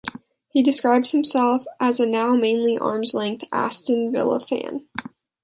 He describes himself as a now mainly 'arms length' Aston Villa fan.